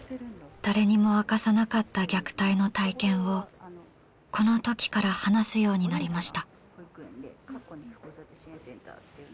誰にも明かさなかった虐待の体験をこのときから話すようになりました。